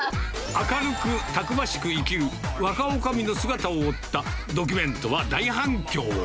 明るくたくましく生きる若おかみの姿を追ったドキュメントは大反響。